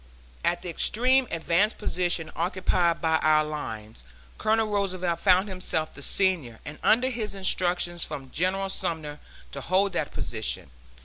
At the extreme advanced position occupied by our lines, Colonel Roosevelt found himself the senior, and under his instructions from General Sumner to hold that position.